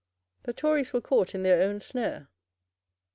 The Tories were caught in their own snare.